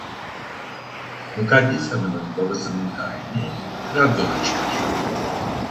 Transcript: Mukaddes Hanım'ın babasının tayini Trabzon'a çıkar.